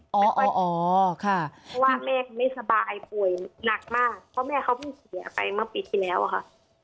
เพราะว่าแม่เขาไม่สบายป่วยหนักมากเพราะแม่เขาเพิ่งเสียไปเมื่อปีที่แล้วค่ะ